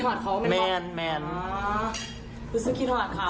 พ่อเค้าบอกว่าเราไม่เป็นครับ